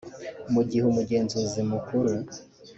Mu gihe Umugenzuzi Mukuru